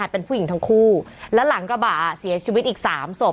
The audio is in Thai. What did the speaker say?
เป็นผู้หญิงทั้งคู่แล้วหลังกระบะเสียชีวิตอีกสามศพ